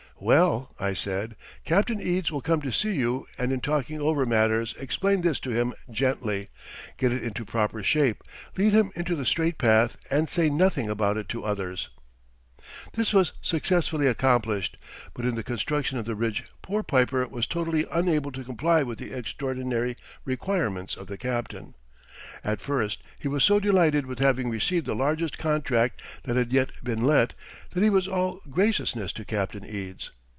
"Well," I said, "Captain Eads will come to see you and in talking over matters explain this to him gently, get it into proper shape, lead him into the straight path and say nothing about it to others." [Footnote 26: Captain James B. Eads, afterward famous for his jetty system in the Mississippi River.] This was successfully accomplished; but in the construction of the bridge poor Piper was totally unable to comply with the extraordinary requirements of the Captain. At first he was so delighted with having received the largest contract that had yet been let that he was all graciousness to Captain Eads.